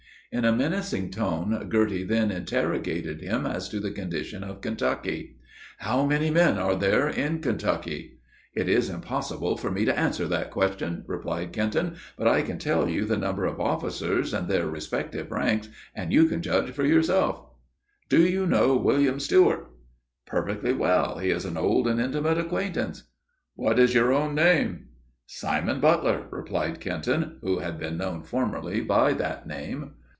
In a menacing tone, Girty then interrogated him as to the condition of Kentucky. "How many men are there in Kentucky?" "It is impossible for me to answer that question," replied Kenton; "but I can tell you the number of officers, and their respective ranks, and you can judge for yourself." "Do you know William Stewart?" "Perfectly well; he is an old and intimate acquaintance." "What is your own name?" "Simon Butler!" replied Kenton, who had been known formerly by that name.